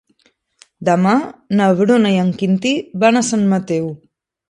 Demà na Bruna i en Quintí van a Sant Mateu.